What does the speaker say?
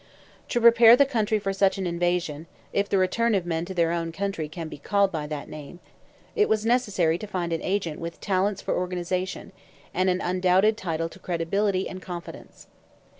To prepare the country for such an invasion (if the return of men to their own country can be called by that name), it was necessary to find an agent with talents for organization, and an undoubted title to credibility and confidence.